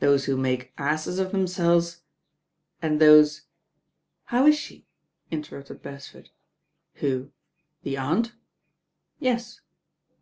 "Those who make asses of themselves and those " "How is she," interrupted Beresford. "Who, the Aunt?" "Yes."